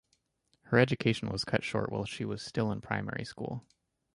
Her education was cut short while she was still in primary school.